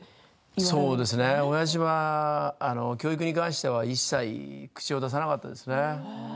そうですね、おやじは教育に関しては一切、口を出さなかったですね。